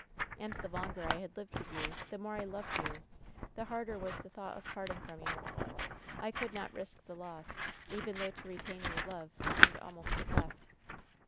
And the longer I had lived with you, the more I loved you, the harder was the thought of parting from you. I could not risk the loss, even though to retain your love seemed almost a theft.